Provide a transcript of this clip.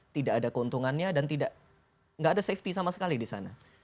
tidak ada keuntungannya dan tidak ada safety sama sekali di sana